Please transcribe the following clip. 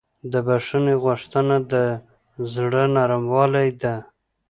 د بښنې غوښتنه د زړه نرموالی ده.